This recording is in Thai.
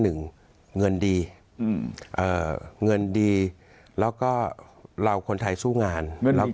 หนึ่งเงินดีแล้วก็เราคนไทยสู้งาน